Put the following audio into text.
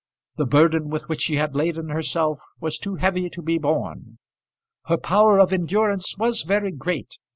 The burden with which she had laden herself was too heavy to be borne. Her power of endurance was very great.